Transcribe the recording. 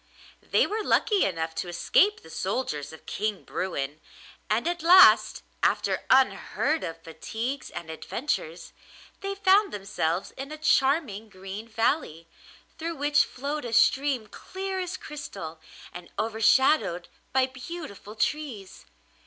They were lucky enough to escape the soldiers of King Bruin, and at last, after unheard of fatigues and adventures, they found themselves in a charming green valley, through which flowed a stream clear as crystal and overshadowed by beautiful trees.